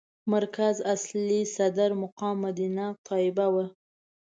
مرکز اصلي صدر مقام مدینه طیبه وه.